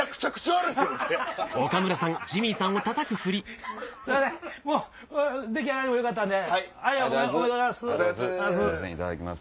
ありがとうございます。